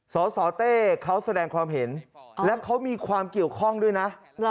สสเต้เขาแสดงความเห็นและเขามีความเกี่ยวข้องด้วยนะ